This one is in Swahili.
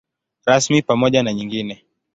Rasmi pamoja na nyingine.